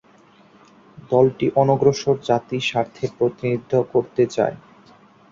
দলটি অনগ্রসর জাতি স্বার্থের প্রতিনিধিত্ব করতে চায়।